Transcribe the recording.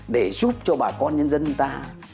để giúp cho bà con nhân dân ta